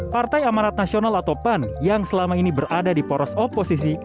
partai amanat nasional atau pan yang selama ini berada di poros oposisi